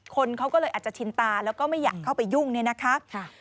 คนเขาก็เลยอาจจะชินตาแล้วก็ไม่อยากเข้าไปยุ่งเนี่ยนะคะ